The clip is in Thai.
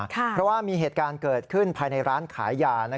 เพราะว่ามีเหตุการณ์เกิดขึ้นภายในร้านขายยา